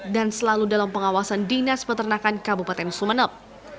dan selalu dalam pengawasan dinas peternakan kabupaten sumeneb